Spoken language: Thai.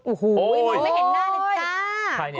โอ้โฮไม่มองได้เห็นหน้าเลยจ้ะ